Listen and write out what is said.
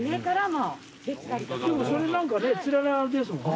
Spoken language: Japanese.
でもそれなんかねつららですもんね。